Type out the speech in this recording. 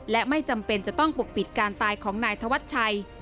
และไม่จำเป็นจะต้องปกปิดการตายของนายธวัชชัย